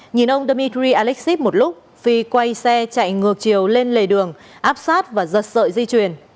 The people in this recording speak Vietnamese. nhìn ông dmitry alexiev một lúc phi quay xe chạy ngược chiều lên lề đường áp sát và giật sợi di chuyển